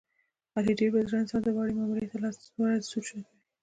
علي ډېر بې زړه انسان دی، وړې معاملې ته لس ورځې سوچونه کوي.